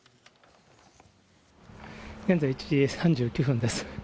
現在１時３９分です。